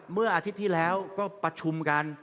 เมื่ออาทิตย์ที่แล้วก็ประชุมกัน